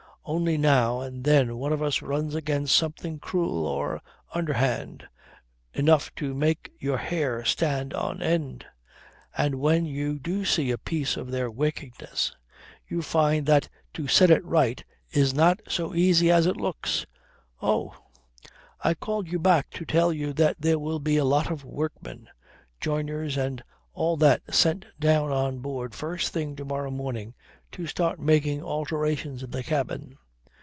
Only now and then one of us runs against something cruel or underhand, enough to make your hair stand on end. And when you do see a piece of their wickedness you find that to set it right is not so easy as it looks ... Oh! I called you back to tell you that there will be a lot of workmen, joiners and all that sent down on board first thing to morrow morning to start making alterations in the cabin.